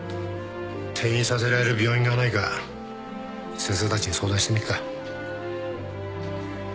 転院させられる病院がないか先生たちに相談してみるか。